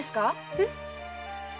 えっ？